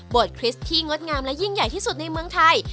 คริสต์ที่งดงามและยิ่งใหญ่ที่สุดในเมืองไทย